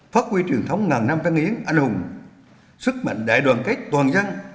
phát huy truyền thống ngàn năm phát nghiến anh hùng sức mạnh đại đoàn kết toàn dân